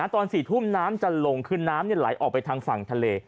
ตอน๔ทุ่มน้ำจะลงคือน้ำไหลออกไปทางฝั่งทะเล